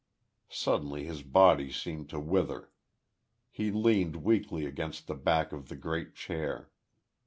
..." Suddenly, his body seemed to wither. He leaned weakly against the back of the great chair....